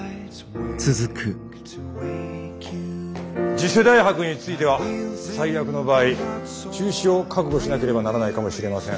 次世代博については最悪の場合中止を覚悟しなければならないかもしれません。